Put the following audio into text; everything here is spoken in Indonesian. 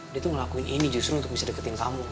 dia tuh ngelakuin ini justru untuk bisa deketin kamu